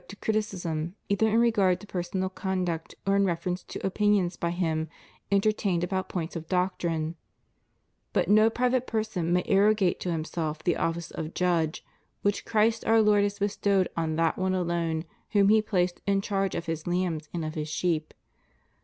203 criticism either in regard to personal conduct or in refer ence to opinions by him entertained about points of doctrine; but no private person may arrogate to himself the office of judge which Christ our Lord has bestowed on that one alone whom He placed in charge of His lambs and of His sheep.